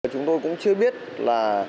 chúng tôi cũng chưa biết là